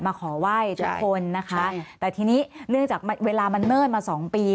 ขอไหว้ทุกคนนะคะแต่ทีนี้เนื่องจากเวลามันเลิศมาสองปี